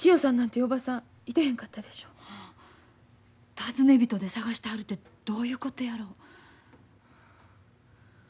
尋ね人で捜してはるてどういうことやろ。